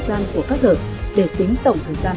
gian của các đợt để tính tổng thời gian